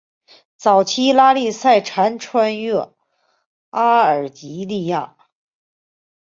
早期拉力赛常穿越阿尔及利亚。